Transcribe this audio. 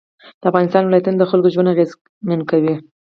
د افغانستان ولایتونه د خلکو ژوند اغېزمن کوي.